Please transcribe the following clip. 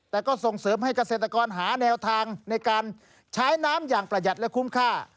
แต่ก็ส่งเสริมให้เกษตรกรหาแนวทางในการใช้น้ำอย่างประหยัดและคุ้มค่า